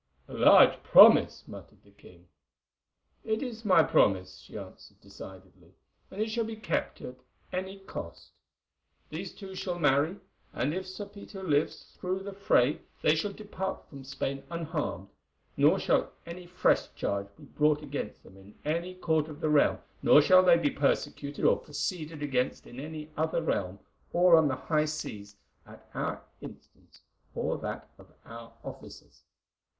"A large promise," muttered the king. "It is my promise," she answered decidedly, "and it shall be kept at any cost. These two shall marry, and if Sir Peter lives through the fray they shall depart from Spain unharmed, nor shall any fresh charge be brought against them in any court of the realm, nor shall they be persecuted or proceeded against in any other realm or on the high seas at our instance or that of our officers.